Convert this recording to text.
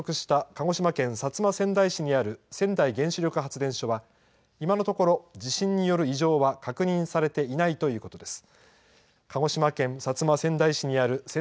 鹿児島県薩摩川内市にある川内原子力発電所は今のところ、地震による異常は確認されていないということです。